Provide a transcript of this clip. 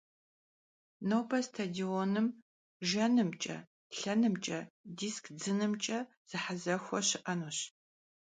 Nobe stadionım jjenımç'e, lhenımç'e, disk dzınımç'e zehezexue şı'enuş.